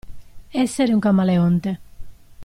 Essere un camaleonte.